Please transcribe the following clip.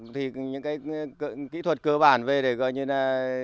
thì những cái kỹ thuật cơ bản về để gọi như là